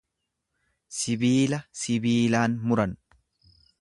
Sibiila sibiilaan muran.